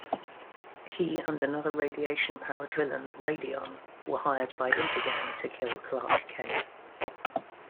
He and another radiation-powered villain, Radion, were hired by Intergang to kill Clark Kent.